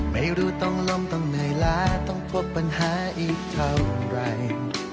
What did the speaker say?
ไม่รู้ต้องล้มต้องเหนื่อยล้าต้องพบปัญหาอีกเท่าไร